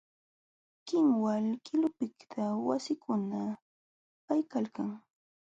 Kinwal qilupiqtam wasikuna kaykalkan.